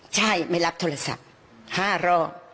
ใช่ไม่รับโทรศัพท์๕รอบ